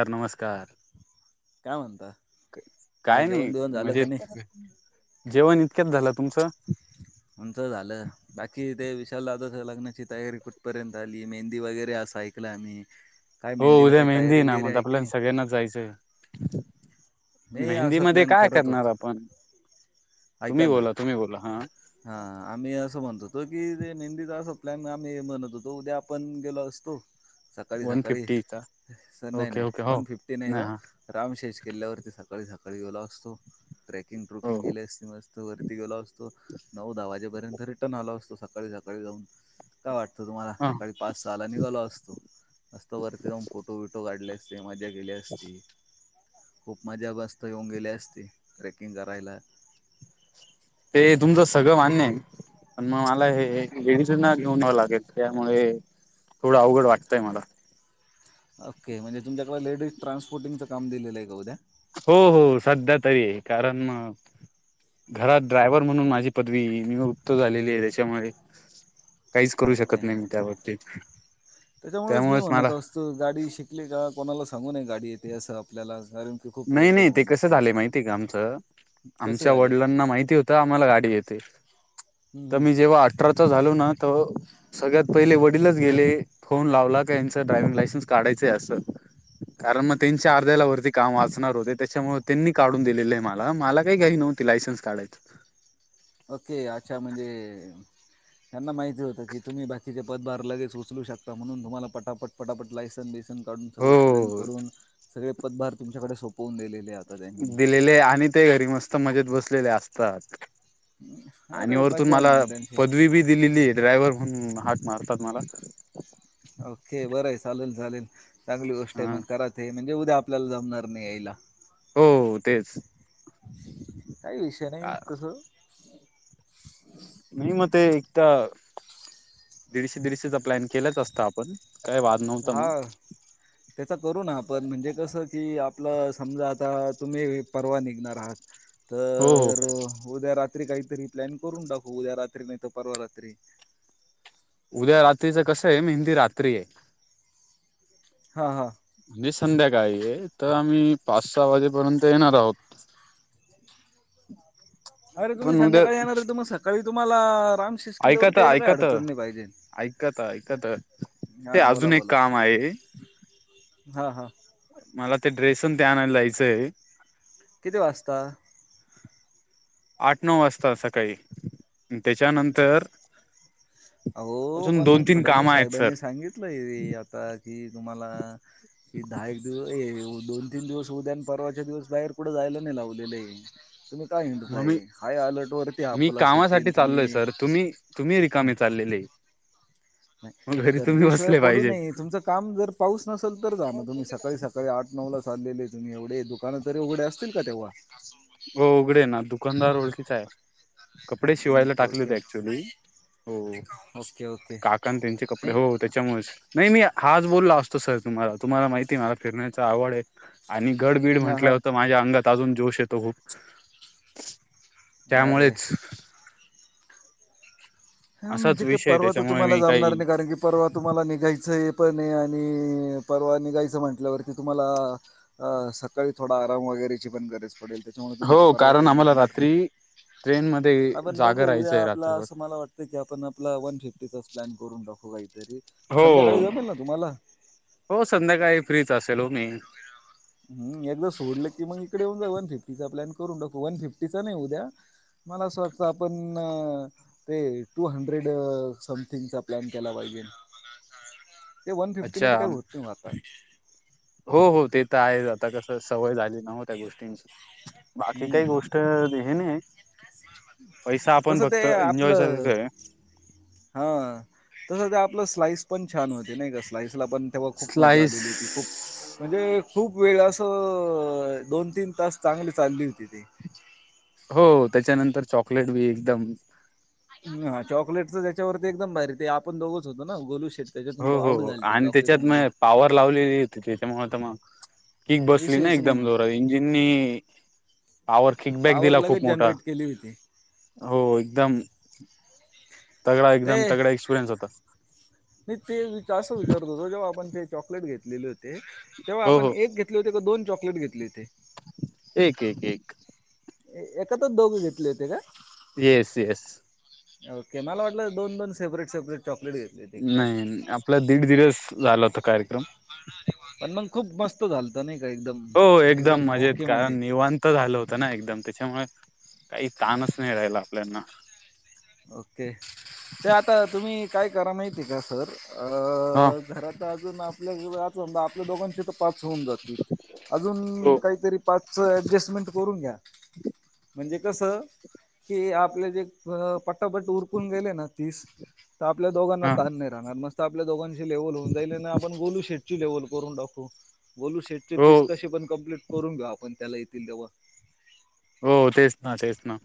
Sir नमस्कार काय म्हणता काय जेवण नाही बिवण झालं का मजेत नाही जेवण इतक्यात झालं तुमचं आमच झालं बाकी ते वि लग्नाची तयारी कुठपर्यंत आली मेहंदी वगैरे अस ऐकलं आम्ही काय हो मेहंदीला उद्या काही मेहंदी तयारी ना बियारी मग आहे का आपल्याला नाही सगळ्यांना जायचं मी मेहंदी असा मध्ये प्लॅन काय करत करणार होत आपण तुम्ही ऐका ना बोला तुम्ही बोला हा हा आम्ही असं म्हणतो हो की ते नेहंदीचा असा प्लॅन आम्ही म्हणत होतो उद्या आपण गेलो असतो सकाळी वन फिफ्टीचा सकाळीसर र नाही ओके नाही ओके हो वन फिफ्टी नाही व हा रामशेष केल वरती सकाळी सकाळी गेला असतो ट्रेकिंग ट्रुकिंग हो गेली असती मस्त वरती गेलाो असतो नऊ दहा वाजेपर्यंत रिटर्न आल असतो सकाळी सकाळी जाऊन काय वाटत तुम्हाला ह सकाळी पाच सहाला निघालो असतो असतता वरती जाऊन फोटो विटो काढले असते म्हणजे गेले असते मजा बस्ता येऊन गेली असती ट्रेकिंग करायला ते तुमचं सगळं मान्य आहे पण मग मला हे हेडी सर ना घेऊन नवं लागेल त्यामुळे थोडं अवघड वागतंय मला ओके म्हणजे तुमच्याकडे लेडीज ट्रान्सपोर्टिंगचं काम दिलेलं आहे का उद्या हो हो सध्या तरी आहे कारण घरात ड्रायव्हर म्हणून माझी पदवी मी गृपत झालेली आहे त्याच्यामुळे काहीच करू शकत ओके नाही मी त्यावरती त्याच्यामुळेच मी म्हणत असतो गाडी शिकली का कोणाला सांगूूनये गाडी येते असं आपल्याला कारण की खूप नाही वैताग नाही ते होऊन कस जातो झाले माहितीय का आमचं कसं आमच्या झाले वडिलांना माहिती होत आम्हाला गाडी देते हम्म, तर हम्म. मी जेव्हा अठराचा झालो ना तर सगळ्यात पहिले वडीलच गेले फोन लावला का यांचं ड्रायविंग लायसनस काढयचंय असं काररण मग इन चारर्धला वरती काम वाचणार होते त्याच्यामुळे त्यांनी काढून दिलेले आहे मला मला काही घ्याली नव्हती लायसन्स काढायच [inaudible] ओके अच्छा म्हणजे त्यांना माहिती होतं की तुम्ही बाकीचे पदभार लगेच उचलू शकता म्हणून तुम्हाला पटापट पटापट लायसन बिसन काढून सगळं ट्रेन हो करून सगळे पदभार तुमच्याकडे सोपवून दिलेले आहेतात दिलेले आणि ते घरी मस्त मजेत बसलेले असतात आणि अरे वरतून मज्जा आहे ना मला मग त्यांची पदवी बी दिलेली ड्रायव्हर म्हणून ह मारतात मला लेल चांगली गोष्ट आहे ह मग कत हे म्हणजे उद्या आपल्याला जमणार नाही यायला हो तेच काही विषय नाही तस नाही मग ते दीडशे दीडशेचा प्लॅन केलाच असतं आपण. काय वाद नव्हता हा मग त्याचा करू ना आपण पण म्हणजे कसं की आपलं समजा आता तुम्ही परवा निघणार आहात. हो हो तर उद्या रात रात्री काहीतरी प्लॅन करून टाकवू उद्या रात्री नाही तर परवा रात्री उद्या रात्रीचं कसं आहे मेहंदी रात्री आहे. हा हा म्हणजे संध्याकाळी आहे तर आम्ही पाच सहा वाजेपर्यंत येणार आहोत. अरे तुम्ही पण संध्याकाळी येणार तु मग सकाळी तुम्हाला रामशेष ऐकत किल्ल्यावरती यायला काही ऐकत अडचण नाही पाहिजे ऐकत ऐकत ते हा बोला अजून एक बोला काम आहे. हा हा मला ते ड्रेस अन ते आणयला जायचंय. कतीं वाजता? आठ नऊ वाजता सकाळी त्याच्यानंतर हो अजून पण दोन मग तीन कामं फडणवीस आहेत सर साहेबांनी सांगितलंय आता. कि तुम्हाला कि दहा एक दिवस दोन तीन दिवस होऊ द्या आणि परवाच्या दिवस बाहेर कुठे जा. त्याने लावलेले इथे. काय मग म्हई मी हाय अलर्ट वरती मी आपला सिटीन कामासाठी चाललोय तुम्ही सर तुम्ही तुम्ही रिकामे चाललेले मग घरी तुम्ही दरजेशिवाय बसले पडू पाहिजे नये तुमचं काम जर पाऊस नसेल तर जा ना तुम्ही सकाळी सकाळी आठ नऊ ला चाललेले तुम्ही एवढे दुकानत उघढ्या असतील का तेव्हा? हो उघडे ना दुकानदार ओळखीच आहे. कपडे शिवायला ओके टाकले ओके होते ऍक्च्युली हो. ओके ओके काकान त्यांचे कपडे हो त्याच्यामुळेच नाही मी हाच बोलला असतो सर तुम्हाला. तुम्हाला माहिती आहे मला फिरण्याचा आवड आहे आणि गडबीड हा म्हटलं हा होतं माझ्या अंगात अजून जोश येतो खूप. अरे त्यामुळेच ह असाच म्हणजे का विषय आहे. परवा तर त्याच्यामुळे तुम्हाला मी काही जमणार नाही कारण की परवा तुम्हाला निघायचंय. पण आणि परवा निघायचं म्हटल्यावरती तुम्हाला सकाळी थोडा आराम वाट वगैरेची पण गरज पडेल. त्याच्यामुळे तुम्ही हो तर परवा कारण काही आम्हाला निघणार नाही. रात्री ट्रेनमध्ये आपण बघू जागा उद्या राहायचंय आपला रात्रभर. असं मला वाटतं की आपण आपला वन फिफ्टीचाच प्लॅन करून टाकू काहीतरी हो संध्याकाळी जमेल ना तुम्हाला. हो संध्याकाळी फ्रीच असेल हो मी. हम् एकदा सोडलं की मग इकडे येऊन जा वन फिफ्टीचा प्लॅन करून टाकू वन फिफ्टीचा नाही उद्या. मला असं वाटतं आपण ते टू हंड्रेड समथिंगचा प्लॅन केला पाहिजे. ़ फ ते वन फिफ्टी मध्ये काही होत मग आता. हो हो ते तर आहे आता कस सवय झाली नव त्या गोष्टींची. बाकी काही गोष्ट हे ना तस ते आपलं हा तस ते आप स्लाईस पण छान होते नाही का स्लाइस पण तेव्हा खूप मजा स्लाइस आलेली होती खूप म्हणजे खूप वेळ असं दोन तीन तास चांगले चालली होती ती. हो त्याच्यानंतर चॉकलेट बी एकदम ह चॉकलेटच त्याच्यावरती एकदम भारी ते आपण दोघोच होतो ना गोलू. शेट त्याच्यातून हो आवड हो झाली ते आणि त्याच्यात चॉकलेटमधून मग पॉवर लावलेली त्याच्यामुळेता मग की बसली ना विषयच नाही एकदम मग जोर इंजिननी आवर किडबॅक पॉवर दिला लगेच खूप मोठा जनरेट केली होती हो एकदम तगडा ते एकदम तगडा एक्सपिरियन्स होता नाही ते वि अस विचारतो तो जेव्हा आपण ते चॉकलेट घेत घले होते तेव्हा हो आपण हो एक घेतले होते दोन चॉकलेट घेतले होते? एक एक एक ए तरच दोघ घेतले होते का येस येस ओके मला वाटलं दोन दोन सेपरेट सेपरेट चॉकलेट घेतले ते काय नाही आपला दीड दिवस झाला होता कार्यक्रम झालत नाही का एकदम हो एकदम मजेत ओके कारण मध्ये निवांत झालं होतं ना एकदम त्याच्यामुळे काही ताणच नाही राहिला आपल्याना ओके ते आता तुम्ही काय करा माहिती आहे का सर हा अ घरात अजून आपल्याज आपल्या दोघांशी तर पाच होऊन जातील अजून हो काहीतरी पाच डजस्मेंट करून घ्या म्हणजे कस की आपले जे पट्टापट्ट उरकून गेले ना तीस तर आपल्या दोघांना हा ताान नाही राहणार मस्त आपल्या दोघांशी लेवल होऊन जाईल आपण गोलू शेट लेवल करून टाखव बोलू शेट चे हो तीस कसे पण कंप्ली करून घ्या आपण त्याला येतील तेव्हा हो तेच ना तेच ना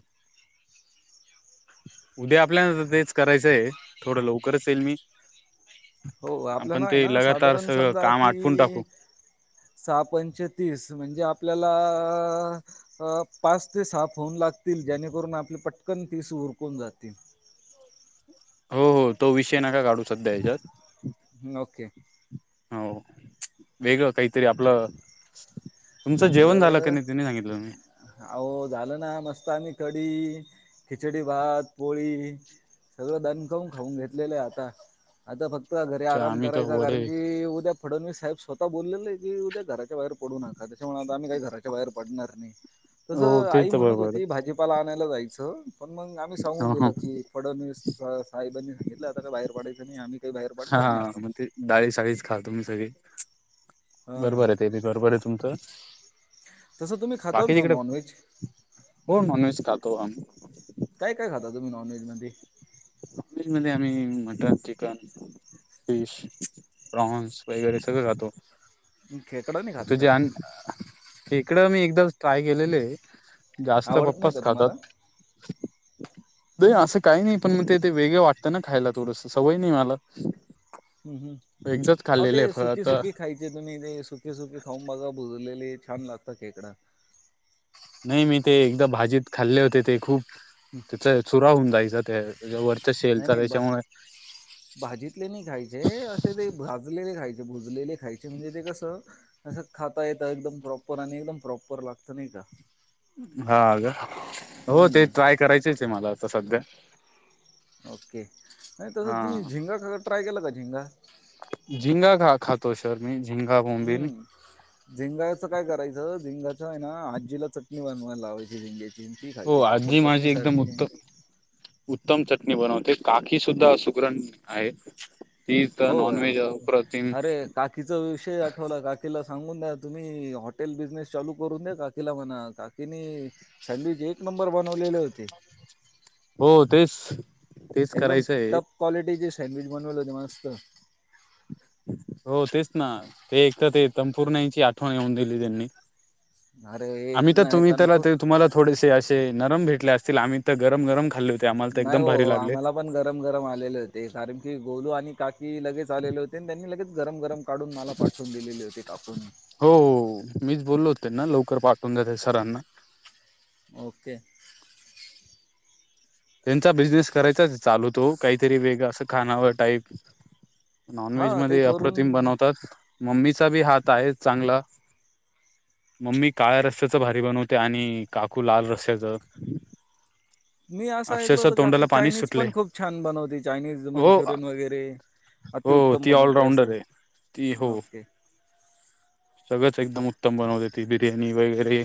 उद्या आपल्या तेच करायचंय थोडं लवकरच येल मी हो आपण आपल्याला आहे ते ना लगातार साधारण सगळं समजा काम आटपून टाकू की सहा पंचतीस म्हणजे आपल्याला पाच ते सहा फोन लागतील जेणेकरून आपले पटकन तिस तुरकून जातील हो हो तो विषय नका काढू सध्या हच्यात ओके वेगळं काहीतरी आपलं तुमचं जेवण झालं का आपलं नाही तिने सांगितलं मी अह झालं ना मस्त आम्ही क खिडी खिचडी भात पोळी सगळं दणखाऊन खाऊन घेतलेलं आहे आता आता फक्त घरी अच्छा आराम आम्ही तर करायचा कारण वडे की उद्या फडणवीस साहेब स्वतः बोललेले की उद्या घराच्या बाहेर पडू नका म्ह आता आम्ही काही घराच्या बाहेर पडणार नाही हो तसं ते आई तर म्हणत बरोबर होती आहे भाजीपाला आणायलाचई पण मग आम्ही सांगून हो हो दिलं की फडणवीस साहेबांनी सांगितलं आता का बाहेर पडायचं नाही आम्ही काही बाहेर हा पडणार नाही आता मग ते डाळी शाळीच खा तुम्ही सगळी बरोबर हा आहे ते बरोबर आहे तुमचं तसं तम्ही खातात बाकी मग तिकडे नॉन व्हेज हो मनष कातोम कध म नाॉनवेजमध्ये मध्ये आम्ही मटर चिकन फिश बॉन्स वगैरे सगळं खातो खेकड न काात का इेकड मी एकदा ट्राय केलेले आहे जास्त आवडत नाही पप्पाच का तुम्हाला खातात नाही असं काही नाही पण मग तेथे वेगळ वाटतं ना खायला थोडंस सवय नाही मला हम् हम् एकदाच अ ते खाल्लेले आहे फळ सुखी आता सुखी खायचे तुम्ही ते सुखी सुखी खाऊन बघा बज लेले छान लागतातकड नाही मी ते एकदा भाजीत खाल्ले होते ते खूप त्याचा चुरा होऊन जाय व नाही नाही बा भाजीतले नाही खायचे असे ते भाजलेले खायचे भुजलेले खायचे म्हणजे ते कस खाता येता एकदम प्रॉपर आणि एकदम प्रॉपर लागत नाही का अ हा ग हो ते हम्म ट्राय करायचेच आहे मला आता सध्या ओके नाही तसं तुम्ही हा झिंगा ख ट्राय केला का झिंगा झिंगा घा खातो शर मी झिंगा बोंबील हम्म झेंगाळ्याचं काय करायचं झेंगाचं आहे ना आजीला चटणी बन वायला लावायची झिंग्याची ती खायची हो पापड आजी चटणी माझी एकदम सारखी. उत्तम उत्तम चटणी बनवते काकी सुद्धा सुकरण आहे. ती तर होय नॉनव्हेज अप्रतिम अरे काकीचा विषय आठवला काकीला सांगून दया तुम्ही हॉटेल बिझनेस चालू करून दया काकीला म्हणा काकीनी सँडविच एक नं नंबर बनवलेले होते. हो तेच तेच एकदम करायचं आहे टप क्वालिटीचे सँडविच बनवेल होते मस्त. हो तेच ना ते एक तर ते तंपूर नाईची आठवण येऊन दिली त्यांनी अरे एक आम्ही तर नाही तुम्ही त्याला तनपूर ते तुम्हाला थोडेसे असे नरम भेटले असतील आम्ही तर गरम गरम खाल्ले होते आम्हाला तर नाही एकदम भारी हो लागले आम्हाला पण गरम गरम आलेले होते कारण की गोलू आणि काकी लगेच आलेले होते त्यांनी लगेच गरम गरम काढून मला पाठवून दिलेले होते काकूंनी हो हो मीच बोललो होत त्यांना लवकर पाठवून देते सरांना ओके त्यांचा बिझनेस करायचाच चालू तो काहीतरी वेगळं असं खानावळ टाईप नॉनव्हेज हां ते मध्ये करून अप्रतिम बनवतात मम्मीचा बी हात आहेचं चांगला. मम्मी काळ्या रस्याच भारी बनवते. आणि काकू लाल रस्याचं. [inaudible] मी असं ऐकल होत काकू चायनीज पण खूप छान बनवते चायनीज हो मंचुरियन वगैरे हो अतिउत्तम ती बनवते असं ऑलराऊंडर आहे ती हो. ओके सगळंच एकदम उत्तम बनवतेे ती बिर्याणी वगैरे.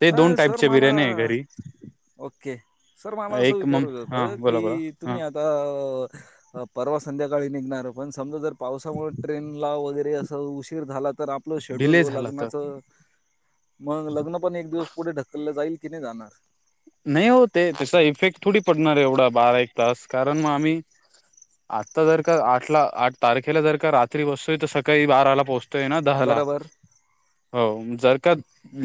ते अ दोन सर टाईपच्या मला बिर्याणी हाय घरी ओके सर मला असं एक मग विचारलंचं हा होत बोला बोला की हा तुम्ही आता परवा संध्याकाळी निघणार पण समजा जर पावसामुळ ट्रेनला वगैरे असं उशीर झाला. तर आपलं डिले शेड्यूल झाला तर लग्नाचं मग लग्न पण एक दिवस पुढे ढकललं जाईल. कि नाय जाणार. नाही हो ते तसा इफेक्ट थोडी पडणार एवढा बारा एक तास कारण मग आम्ही आता जर का आठला आठ तारखेला जर का रात्री बसतोय तर सकाळी बाराला पोहच तय दहाला बरोबर हो जर का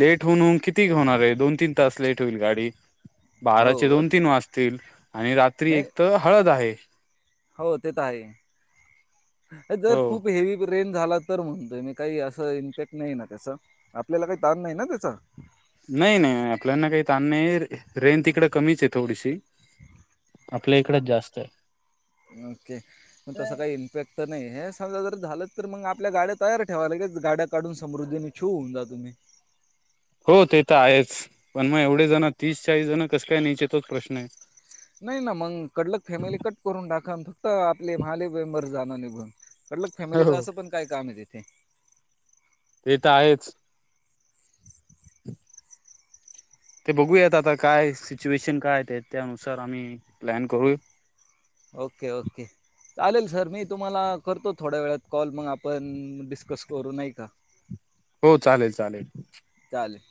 लेट होऊन होऊन किती होणार ये दोन तीन तास लेट होईल गाडी बाराचे हो दोन तीन वाजतील. आणि रात्री नाही एक त हळद आहे. हो ते तर आहे जर हो खूप हेवी रेन झाला तर म्हणतोय मी काही असं इम्पॅक्ट नाही ना त्याचा आपल्याला काही ताण नाही ना त्याचा. नाही नाही आपल्याना काही ताण नाही रेन तिकड कमीच आहे थोडीशी. आपल्या इकडच जास्त आहे. ओके मग तस काही इम्पॅक्ट तर नाही हेस. समजा जर झालं तर मंग आपल्या गाड्या तयार ठेवा लगेच गाड्या काढून समृद्धीने छू होऊन जा तुम्ही. [inaudible] हो ते तर आहेच पण मग एवढे जण तीस चाळीस जण कस काय न्यायचे तोच प्रश्न आहे. नाही ना मग कडलक फॅमिली कट करून टाका फक्त आपले महाले मेंबर जाण निघून. कटलग फॅमिलीच हो असं पण काय काम ये तिथे. ते त आहेच. [unintelligible] ते बघूयात आता काय सिच्युएशन काय ते त्यानुसार आम्ही प्लॅन करू. Okay okay. चालेल सर मी तुम्हाला करतो थोड्या वेळात कॉल मग आपण डिस्कस करू नाय का. हो चालेल चालेल. चालेल.